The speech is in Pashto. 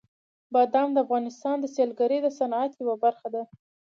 بادام د افغانستان د سیلګرۍ د صنعت یوه برخه ده.